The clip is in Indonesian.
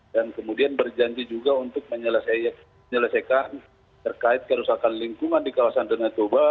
dan kemudian berjanji juga untuk menyelesaikan terkait kerusakan lingkungan di kawasan dona toba